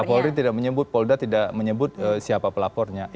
kapolri tidak menyebut polda tidak menyebut siapa pelapornya